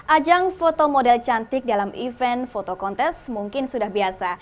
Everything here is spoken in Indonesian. ajang foto model cantik dalam event foto kontes mungkin sudah biasa